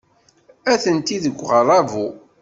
Atenti deg uɣerrabu.